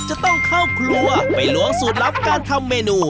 จะต้องเข้าครัวไปล้วงสูตรลับการทำเมนู